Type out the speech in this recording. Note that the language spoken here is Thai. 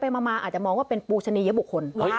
มาอาจจะมองว่าเป็นปูชนียบุคคล